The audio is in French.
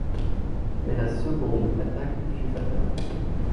Mais la seconde attaque lui fut fatale.